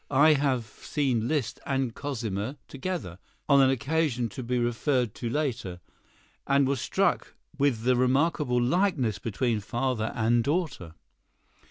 I have seen Liszt and Cosima together, on an occasion to be referred to later, and was struck with the remarkable likeness between father and daughter.